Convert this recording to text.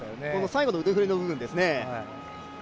最後の腕振りの部分ですね。